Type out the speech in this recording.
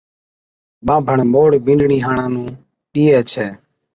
ٻانڀڻ مَئوڙ بِينڏڙِي ھاڙان نُون ڏيئي ڇَي